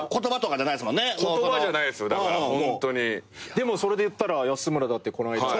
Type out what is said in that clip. でもそれでいったら安村だってこの間。